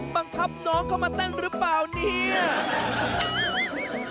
บังคับน้องเข้ามาเต้นหรือเปล่าเนี่ย